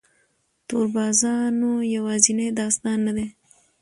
تور بازارونه یوازینی داستان نه دی.